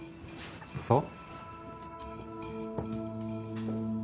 そう？